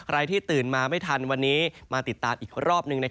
ที่ตื่นมาไม่ทันวันนี้มาติดตามอีกรอบหนึ่ง